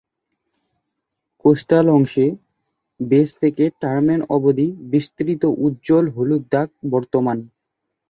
Coastal অংশে, বেস থেকে টার্মেন অবধি বিস্তৃত উজ্জ্বল হলুদ দাগ বর্তমান।